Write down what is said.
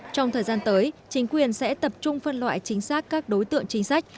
trong thời gian tới chính quyền sẽ tập trung phân loại chính xác các đối tượng chính sách